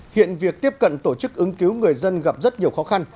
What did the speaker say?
hiện việc tiếp cận tổ chức ứng cứu người dân gặp rất nhiều khó khăn